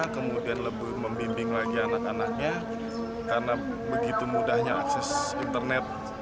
kemudian lebih membimbing lagi anak anaknya karena begitu mudahnya akses internet